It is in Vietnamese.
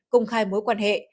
công khai mối quan hệ